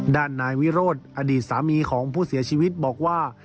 ด้านนายวิโรธอดีตสามีของผู้เสียชีวิตบอกว่า